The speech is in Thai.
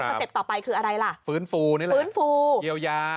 เต็ปต่อไปคืออะไรล่ะฟื้นฟูนี่แหละฟื้นฟูเยียวยา